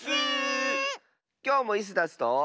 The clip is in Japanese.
きょうもイスダスと。